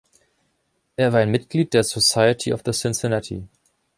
Er war ein Mitglied der „Society of the Cincinnati“.